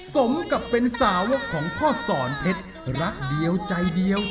สมกับเป็นสาวกของพ่อสอนเพชรรักเดียวใจเดียว